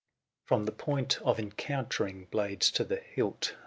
From the point of encountering blades to the hilt.